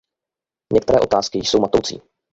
Některé otázky jsou matoucí.